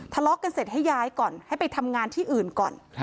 ทะเลาะกันเสร็จให้ย้ายก่อนให้ไปทำงานที่อื่นก่อน